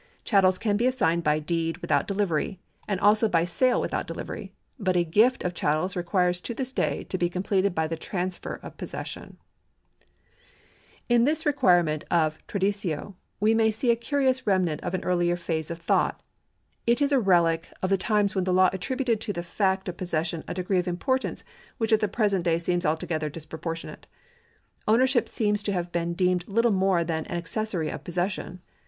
Chattels can be assigned by deed without delivery, and also by sale without delivery. But a gift of chattels requires to this day to be completed by the transfe of possession.^ i C. 2. 3. 20. 2 Stat. 8 & 9 Vict. c. 106, s. 2. 3 Cochrane v. Moore, 25 Q. B. D. 57. 414 THE LAW OF PROPERTY [§ 163 111 this requirement of traditio we may see a curious remnant of an earlier phase of thought. It is a relic of the times when the law attributed to the fact of possession a degree of importance which at the present day seems alto gether disproportionate. Ownership seems to have been deemed little more than an accessory of possession.